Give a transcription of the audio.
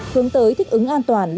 hướng tới thích ứng an toàn lịch sử